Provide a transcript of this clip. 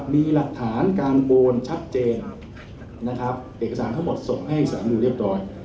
มีหลักฐานการโปรดชัดเจนเอกสารทั้งหมดส่งให้สามิวเรียบร้อย